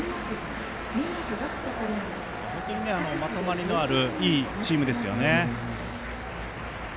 本当にまとまりのあるいいチームですよね。